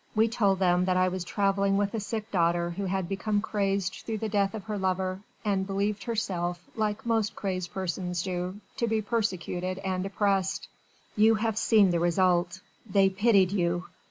We told them that I was travelling with a sick daughter who had become crazed through the death of her lover, and believed herself like most crazed persons do to be persecuted and oppressed. You have seen the result. They pitied you.